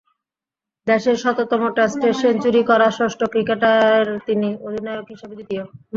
দেশের শততম টেস্টে সেঞ্চুরি করা ষষ্ঠ ক্রিকেটার তিনি, অধিনায়ক হিসেবে দ্বিতীয়।